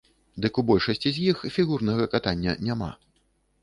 Дык у большасці з іх фігурнага катання няма.